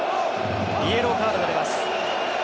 イエローカードが出ます。